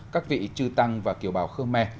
các vị trư tăng và kiều bào khơ me